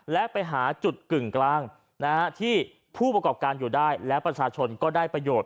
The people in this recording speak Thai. และไปหาจุดกึ่งกลางที่ผู้ประกอบการอยู่ได้และประชาชนก็ได้ประโยชน์